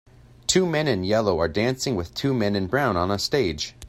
Two men in yellow are dancing with two men in brown on a stage.